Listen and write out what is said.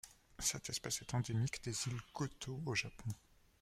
Cette espèce est endémique des îles Gotō au Japon.